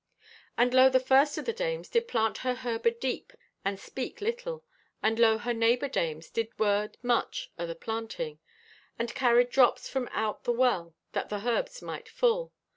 "And lo, the first o' dames did plant her herb adeep and speak little, and lo, her neighbor dames did word much o' the planting, and carried drops from out the well that the herbs might full.